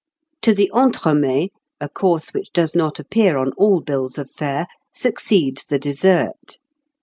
To the entremets, a course which does not appear on all bills of fare, succeeds the dessert.